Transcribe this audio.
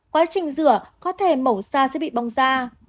quá trình rửa có thể mổ da sẽ bị bỏng da